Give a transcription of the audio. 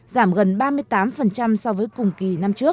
giảm gần ba mươi tám so với cùng kỳ